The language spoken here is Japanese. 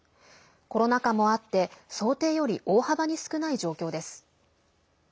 コロナ禍もあって想定より大幅に少ない状況です。